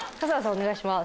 お願いします。